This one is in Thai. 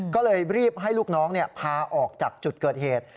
ก็เลยรีบให้ลูกน้องพาออกจากจุดเกิดเหตุ